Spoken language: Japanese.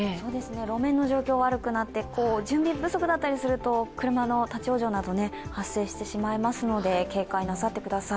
路面の状況が悪くなって、準備不足ですと車の立往生など発生してしまいますので、警戒してください。